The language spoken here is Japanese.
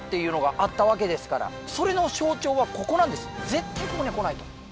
絶対ここには来ないと！